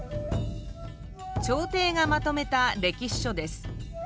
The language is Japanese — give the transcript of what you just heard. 朝廷がまとめた歴史書です。